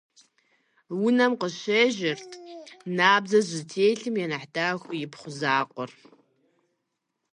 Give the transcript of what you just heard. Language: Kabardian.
Унэм къыщежьэрт набдзэ зытелъым я нэхъ дахэ ипхъу закъуэр.